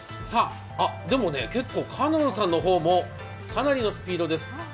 結構、翔音さんの方もかなりのスピードです。